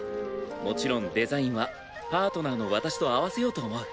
もちろんデザインはパートナーの私と合わせようと思う。